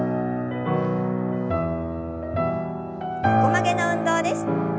横曲げの運動です。